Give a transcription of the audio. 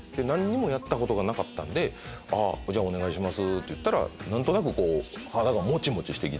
何にもやったことがなかったんでじゃお願いしますって言ったら何となくこう。